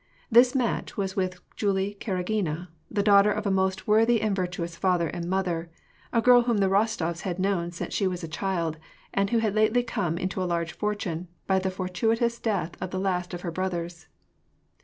This match was with Julie Kara gina, the daughter of a most worthy and virtuous father and mother ; a girl whom the Rostofs had known since she was a child, and who had lately come into a large fortune, by the fortuitous death of the last of her brothers.